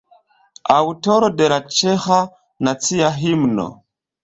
Aŭtoro de la ĉeĥa nacia himno.